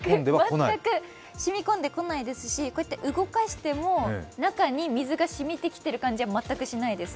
全くしみ込んでこないですしこうやって動かしても、中に水がしみてきてる感じは全くしないです。